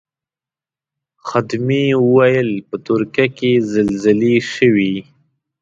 خدمې ویل په ترکیه کې زلزلې شوې.